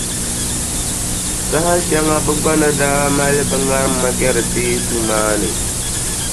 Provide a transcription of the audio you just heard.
Saha shɛŋa bɛ gba ni daa mali bɛ ŋarima kpɛri teeku maa ni.